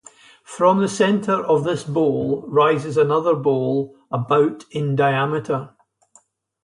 From the centre of this bowl rises another bowl about in diameter.